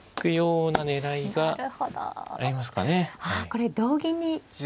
これ同銀に。